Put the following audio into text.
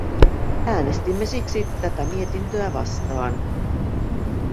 Äänestimme siksi tätä mietintöä vastaan.